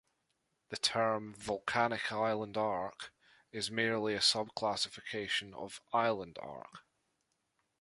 The term "volcanic island arc" is merely a sub-classification of "island arc.